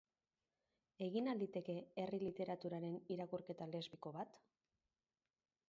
Egin al liteke herri literaturaren irakurketa lesbiko bat?